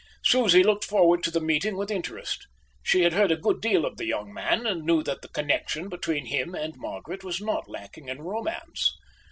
Susie looked forward to the meeting with interest. She had heard a good deal of the young man, and knew that the connexion between him and Margaret was not lacking in romance.